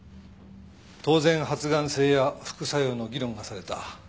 当然発がん性や副作用の議論がされた。